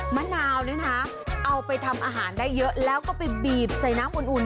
มะนาวนี่นะเอาไปทำอาหารได้เยอะแล้วก็ไปบีบใส่น้ำอุ่น